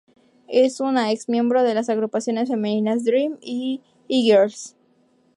Es una ex miembro de las agrupaciones femeninas Dream y E-girls.